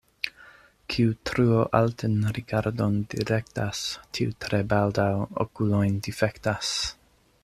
Kiu tro alten rigardon direktas, tiu tre baldaŭ okulojn difektas.